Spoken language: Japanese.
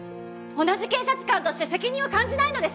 同じ警察官として責任は感じないのですか？